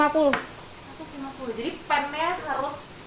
satu ratus lima puluh c jadi pan nya harus panas dulu